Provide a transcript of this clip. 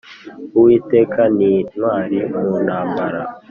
uwiteka ni intwari mu ntambara,